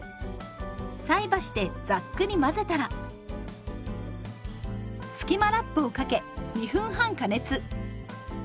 菜箸でざっくり混ぜたらスキマラップをかけ２分半加熱。